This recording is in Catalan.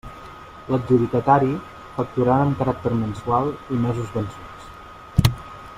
L'adjudicatari facturarà amb caràcter mensual i mesos vençuts.